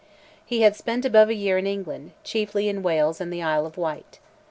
He had spent above a year in England, chiefly in Wales and the Isle of Wight.